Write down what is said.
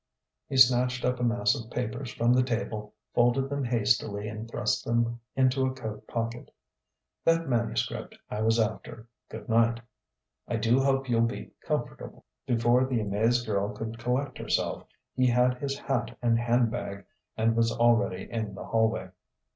He snatched up a mass of papers from the table, folded them hastily and thrust them into a coat pocket. "That manuscript I was after. Good night. I do hope you'll be comfortable." Before the amazed girl could collect herself, he had his hat and handbag and was already in the hallway.